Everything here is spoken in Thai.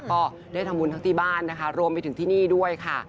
ก็ได้ทำบุญทั้งที่บ้านนะคะรวมไปถึงที่นี่ด้วยค่ะ